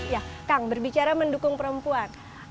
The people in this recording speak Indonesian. ya kang berbicara mendukung perempuan